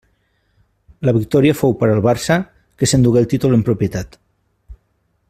La victòria fou per al Barça que s'endugué el títol en propietat.